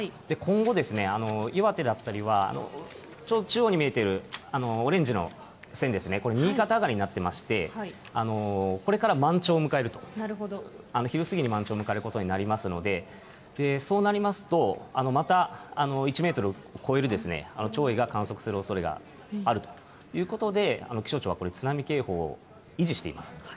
今後、岩手だったりは、中央に見えているオレンジの線ですね、これ右肩上がりになっていまして、これから満潮を迎えると、昼過ぎに満潮を迎えることになりますので、そうなりますと、また１メートル超える潮位が観測するおそれがあるということで、気象庁はこれ、津波警報を維持しています。